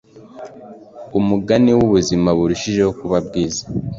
umugani wubuzima burushijeho kuba bwiza.